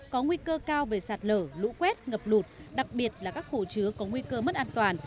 có nguy cơ cao về sạt lở lũ quét ngập lụt đặc biệt là các hồ chứa có nguy cơ mất an toàn